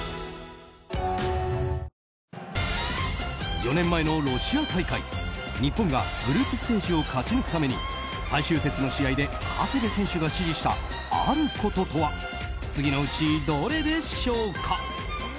４年前のロシア大会日本がグループステージを勝ち抜くために最終節の試合で長谷部選手が指示したあることとは次のうち、どれでしょうか？